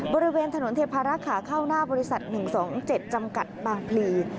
บริเวณถนนเทพารักษ์ขาเข้าหน้าบริษัท๑๒๗จำกัดบางพลี